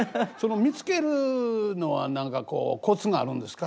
見つけるのは何かこうコツがあるんですか？